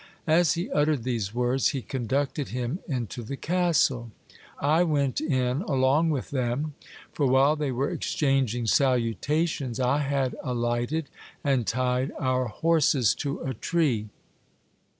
As he uttered these words, he conducted him into the castle. I went in along with them ; for while they were exchang ing salutations, I had alighted and tied our horses to a tree.